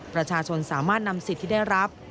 ประชาชนสามารถนำสิทธิ์ที่ได้รับ